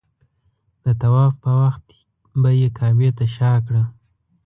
د طواف په وخت به یې کعبې ته شا کړه.